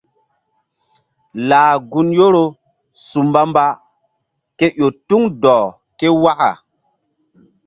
Lah gun Yoro su mbamba ke ƴo tuŋ dɔh ke waka.